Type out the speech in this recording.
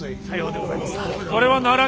さようでございますな。